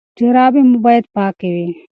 جرابې مو باید پاکې وي.